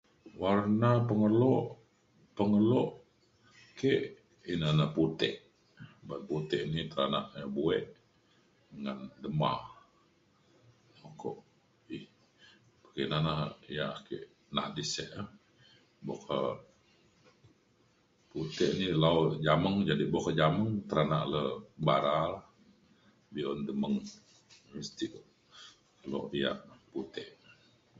warna pengeluk pengeluk ke' ina ne putik ban putik ni teranak ya buwek ngan dema. ukok ina na ya ake na'at tisek e boka putik ni la'o jameng jadi boka jameng teranak le bara la be'un demeng mesti lo' diak putik.